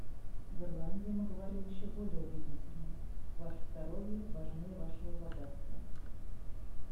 В Ирландии мы говорим еще более убедительно: «Ваше здоровье важнее Вашего богатства.